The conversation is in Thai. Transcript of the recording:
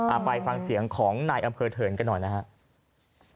ไปฟังเสียงของนายอำเภอเถินกันหน่อยนะครับ